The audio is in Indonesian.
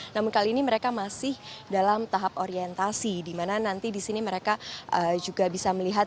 namun kali ini mereka masih dalam tahap orientasi di mana nanti di sini mereka juga bisa melihat